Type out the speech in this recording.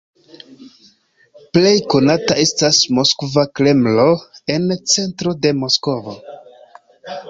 Plej konata estas Moskva Kremlo en centro de Moskvo.